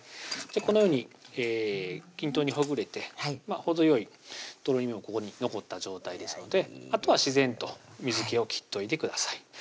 このように均等にほぐれて程よいとろみもここに残った状態ですのであとは自然と水気を切っといてください